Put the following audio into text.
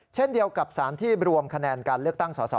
เช่นเดียวกับสารที่รวมคะแนนการเลือกตั้งสอสอ